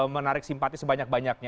menarik simpati sebanyak banyaknya